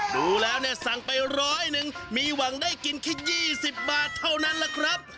ได้กินแค่ยี่สิบบาทเท่านั้นแหละครับ